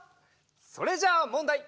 それじゃあもんだい！